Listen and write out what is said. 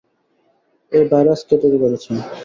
এই ভাইরাস কে তৈরি করেছে?